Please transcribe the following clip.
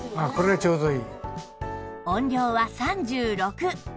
音量は３６